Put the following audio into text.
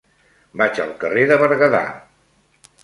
Vaig al carrer de Berguedà.